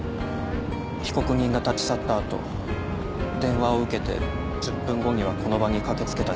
被告人が立ち去った後電話を受けて１０分後にはこの場に駆け付けた人物。